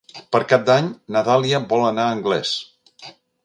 Per Cap d'Any na Dàlia vol anar a Anglès.